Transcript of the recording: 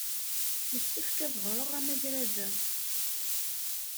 Yessefk ad ɣreɣ amagrad-a.